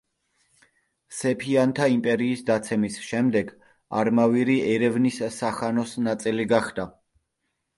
სეფიანთა იმპერიის დაცემის შემდეგ, არმავირი ერევნის სახანოს ნაწილი გახდა.